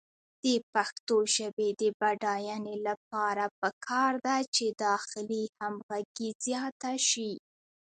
د پښتو ژبې د بډاینې لپاره پکار ده چې داخلي همغږي زیاته شي.